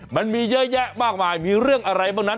มันมีเยอะแยะมากมายมีเรื่องอะไรบ้างนั้น